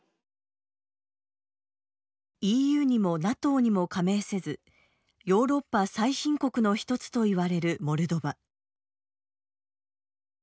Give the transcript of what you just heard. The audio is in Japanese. ＥＵにもＮＡＴＯにも加盟せずヨーロッパ最貧国の１つといわれるモルドバ。